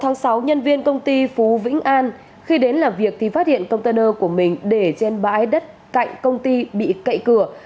ngày sáu nhân viên công ty phú vĩnh an khi đến làm việc thì phát hiện container của mình để trên bãi đất cạnh công ty bị cậy cửa